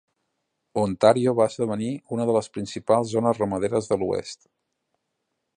Ontario va esdevenir una de les principals zones ramaderes de l'oest.